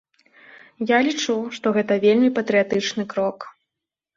Я лічу, што гэта вельмі патрыятычны крок.